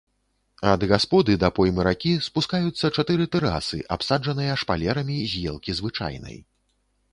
Ад гасподы да поймы ракі спускаюцца чатыры тэрасы, абсаджаныя шпалерамі з елкі звычайнай.